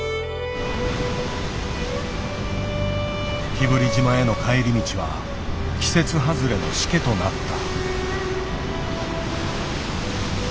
日振島への帰り道は季節外れのしけとなった。